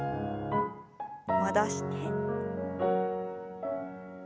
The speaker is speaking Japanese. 戻して。